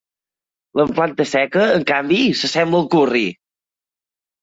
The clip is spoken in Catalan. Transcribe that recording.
La planta seca en canvi, s'assembla al curri.